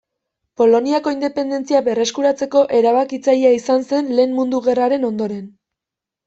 Poloniako independentzia berreskuratzeko erabakitzailea izan zen Lehen Mundu Gerraren ondoren.